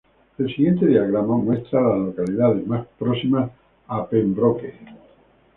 El siguiente diagrama muestra a las localidades más próximas a Pembroke.